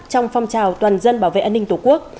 trong phong trào toàn dân bảo vệ an ninh tổ quốc